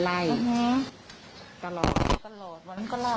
ล้าส่วนตอนนี้ตอนงาน